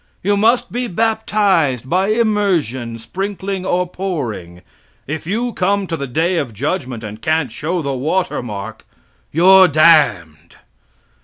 You must be baptized by immersion, sprinkling or pouring. If you come to the day of judgment and can't show the watermark, you're damned!